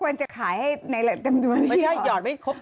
ไม่ใช่หยอดว่าไม่ครบ๑๐มึงก็ไม่ออก